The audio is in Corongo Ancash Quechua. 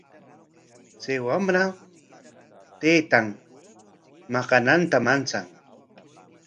Chay wamra taytan maqananta manchan.